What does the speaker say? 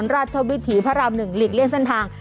ราชวิถีพระราม๑หลีกเลี่ยงเส้นทาง